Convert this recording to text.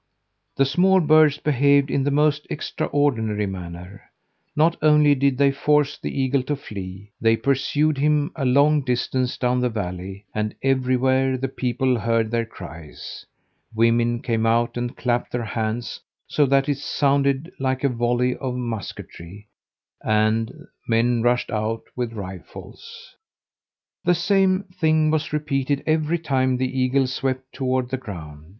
The small birds behaved in the most extraordinary manner. Not only did they force the eagle to flee, they pursued him a long distance down the valley, and everywhere the people heard their cries. Women came out and clapped their hands so that it sounded like a volley of musketry, and the men rushed out with rifles. The same thing was repeated every time the eagle swept toward the ground.